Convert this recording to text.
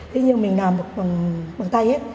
thế nhưng mình làm bằng tay hết